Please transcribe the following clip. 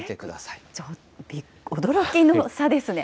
驚きの差ですね。